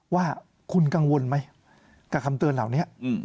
ว่าคุณกังวลไหมกับคำเตือนเหล่านี้